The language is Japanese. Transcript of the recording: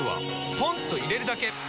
ポンと入れるだけ！